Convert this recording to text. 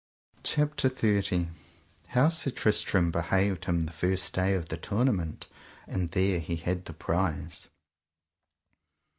CHAPTER XXIX. How Sir Tristram behaved him the first day of the tournament, and there he had the prize.